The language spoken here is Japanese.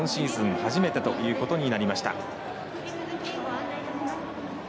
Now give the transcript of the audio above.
初めてということになりました。